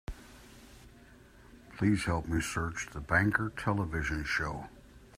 Please help me search The Banker television show.